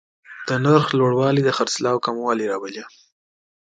د نرخ لوړوالی د خرڅلاو کموالی راولي.